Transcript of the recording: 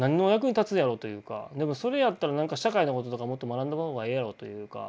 でもそれやったら社会のこととかもっと学んだ方がええやろというか。